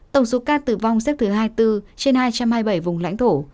tổng số ca tử vong xếp thứ hai mươi bốn trên hai trăm hai mươi bảy vùng lãnh thổ